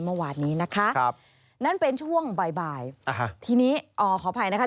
เมื่อวานนี้นะคะนั่นเป็นช่วงบ่ายทีนี้ขออภัยนะคะ